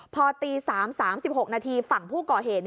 พอตี๓๓๖นาทีฝั่งผู้ก่อเหตุ